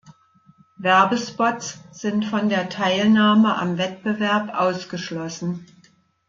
Werbespots sind von der Teilnahme am Wettbewerb ausgeschlossen.